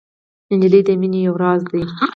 نجلۍ د مینې یو راز ده.